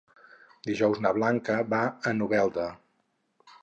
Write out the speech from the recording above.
Dijous na Blanca va a Novelda.